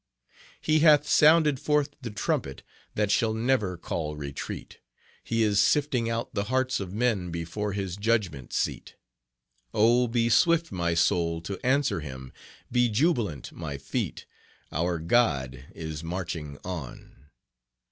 "He hath sounded forth the trumpet that shall never call retreat; He is sifting out the hearts of men before his judgment seat; Oh! be swift my soul to answer him! be jubilant my feet! Our God is marching on.